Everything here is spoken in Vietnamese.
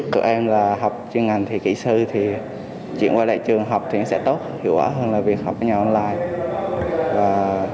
tụi em là học chuyên ngành thì kỹ sư thì chuyển qua lại trường học thì nó sẽ tốt hiệu quả hơn là việc học ở nhà online